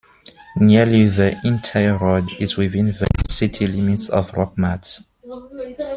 Nearly the entire road is within the city limits of Rockmart.